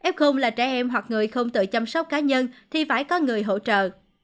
f là trẻ em hoặc người không tự chăm sóc cá nhân thì phải có người hỗ trợ